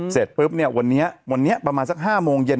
เสร็จปุ๊บเนี่ยวันนี้วันนี้ประมาณสัก๕โมงเย็น